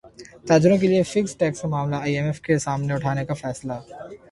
تاجروں کیلئے fixed tax کا معاملہ ائی ایم ایف کے سامنے اٹھانے کا فیصلہ